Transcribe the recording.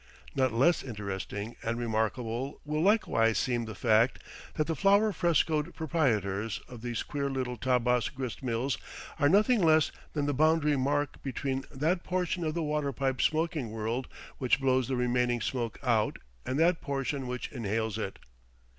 Not less interesting and remarkable will likewise seem the fact that the flour frescoed proprietors of these queer little Tabbas grist mills are nothing less than the boundary mark between that portion of the water pipe smoking world which blows the remaining smoke out and that portion which inhales it.